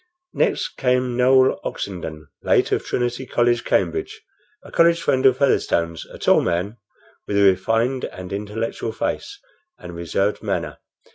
Next came Noel Oxenden, late of Trinity College, Cambridge, a college friend of Featherstone's a tall man, with a refined and intellectual face and reserved manner.